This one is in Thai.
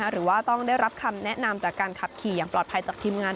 หรือว่าต้องได้รับคำแนะนำจากการขับขี่อย่างปลอดภัยจากทีมงาน